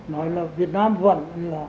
nói là việt nam vẫn